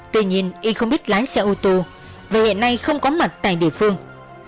tuy nhiên y không biết lái xe ô tô và hiện nay không có mặt tại địa phương